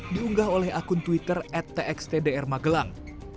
diunggah oleh akun twitter at txtdr magelang